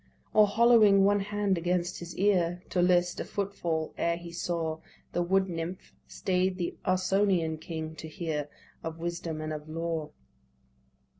Or hollowing one hand against his ear, To list a foot fall, ere he saw The wood nymph, stay'd the Ausonian king to hear Of wisdom and of law.